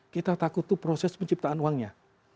kita takut tuh proses penciptaan uangnya